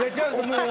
もう。